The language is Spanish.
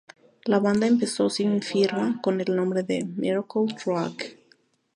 La banda empezó sin firma con el nombre de Miracle Drug.